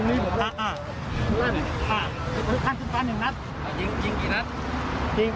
ไม่๓นัดครับ